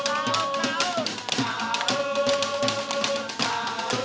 sahur sahur sahur sahur